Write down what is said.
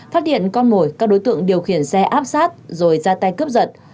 phát hiện con mồi các đối tượng điều khiển xe áp sát rồi ra tay cướp giật